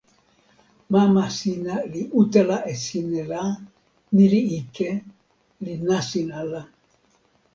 mama sina li utala e sina la, ni li ike, li nasin ala.